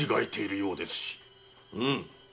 うむ。